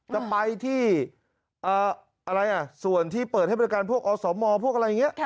จะไปที่ส่วนที่เปิดให้บริการพวกอสมพวกอะไรอย่างนี้